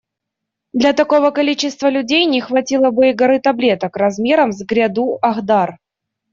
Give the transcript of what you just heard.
Для такого количества людей не хватило бы и горы таблеток размером с гряду Ахдар.